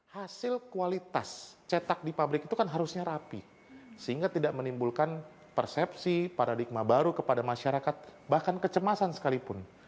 hasil kualitas cetak di pabrik itu kan harusnya rapi sehingga tidak menimbulkan persepsi paradigma baru kepada masyarakat bahkan kecemasan sekalipun